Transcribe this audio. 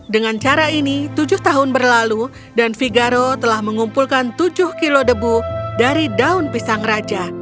dengan cara ini tujuh tahun berlalu dan vigaro telah mengumpulkan tujuh kilo debu dari daun pisang raja